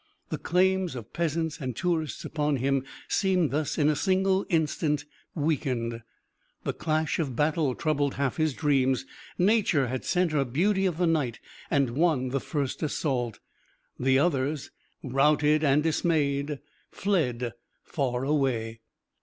The claims of peasants and tourists upon him seemed thus in a single instant weakened. The clash of battle troubled half his dreams. Nature had sent her Beauty of the Night and won the first assault. The others, routed and dismayed, fled far away.